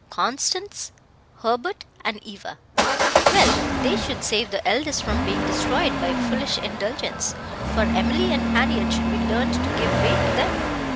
"Constance, Hubert, and Eva." "Well, they should save the eldest from being destroyed by foolish indulgence, for Emily and Harriett should be learned to give way to them."